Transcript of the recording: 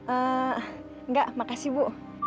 eh nggak makasih bu